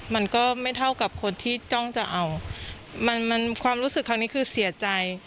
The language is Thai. มันก็ไม่เท่ากับคนที่จ้องจะเอามันมันความรู้สึกครั้งนี้คือเสียใจ